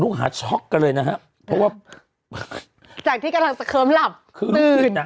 ลูกหาช็อกกันเลยนะฮะเพราะว่าจากที่กำลังสะเขิมหลับคือลูกศิษย์น่ะ